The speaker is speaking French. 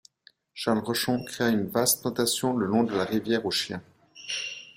Charles Rochon créa une vaste plantation le long de la rivière au Chien.